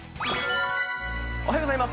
おはようございます。